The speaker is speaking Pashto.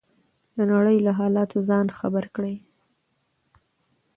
د نړۍ له حالاتو ځان خبر کړئ.